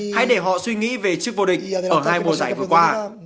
hãy để họ suy nghĩ về chiếc vô địch ở hai mùa giải vừa qua